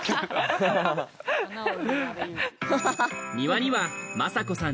庭にはまさ子さん